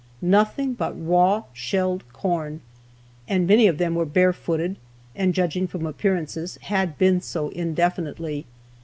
Nothing but raw, shelled corn! And many of them were barefooted, and judging from appearances, had been so indefinitely.